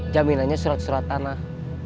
jaminannya surat surat tanah